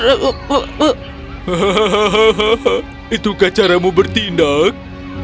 hahaha itukah caramu bertindak